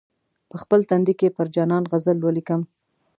په خپل تندي کې پر جانان غزل ولیکم.